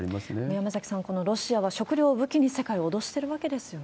山崎さん、ロシアは食料を武器に世界を脅してるわけですよね。